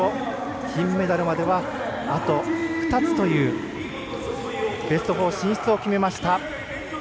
金メダルまではあと２つというベスト４進出を決めました。